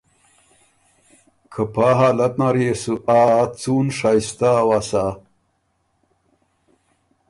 که پا حالت نر يې بُو آ څُون شائِستۀ اؤسا۔